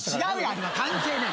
あれは関係ない。